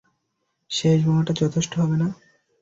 শেষ বোমাটা যথেষ্ট হবে না?